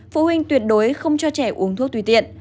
phụ huynh tuyệt đối không cho trẻ uống thuốc tùy tiện